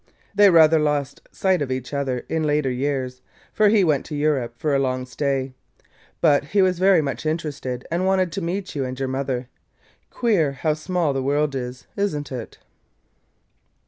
They rather lost sight of each other in later years, for he went to Europe for a long stay. But he was very much interested and wanted to meet you and your mother. Queer how small the world is, is n't it?"